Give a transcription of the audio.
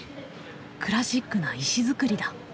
クラシックな石造りだ。